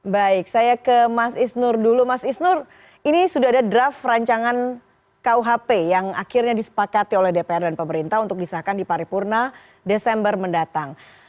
baik saya ke mas isnur dulu mas isnur ini sudah ada draft rancangan kuhp yang akhirnya disepakati oleh dpr dan pemerintah untuk disahkan di paripurna desember mendatang